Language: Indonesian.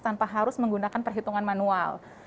tanpa harus menggunakan perhitungan manual